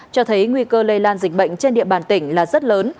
cho thấy nguy cơ lây lan dịch bệnh trên địa bàn tỉnh là rất lớn